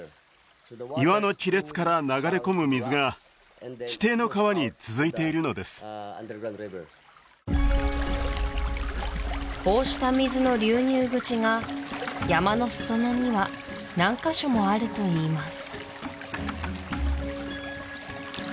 岩の亀裂から流れ込む水が地底の川に続いているのですこうした水の流入口が山の裾野には何か所もあるといいます